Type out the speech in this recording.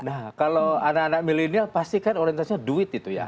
nah kalau anak anak milenial pasti kan orientasinya duit itu ya